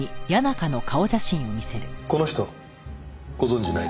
この人ご存じないですか？